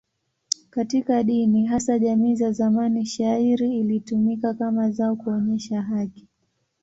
Katika dini, hasa jamii za zamani, shayiri ilitumika kama zao kuonyesha haki.